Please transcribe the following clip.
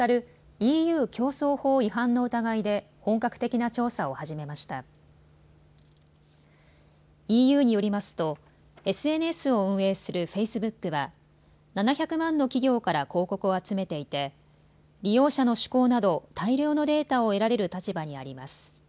ＥＵによりますとＳＮＳを運営するフェイスブックは７００万の企業から広告を集めていて利用者の趣向など大量のデータを得られる立場にあります。